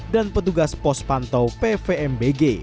dan petugas pos pantau pvmbg